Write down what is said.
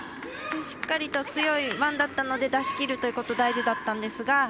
しっかりと強いワンだったので出しきるということ大事だったんですが。